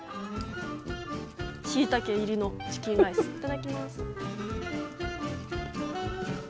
しいたけ入りのチキンライスいただきます。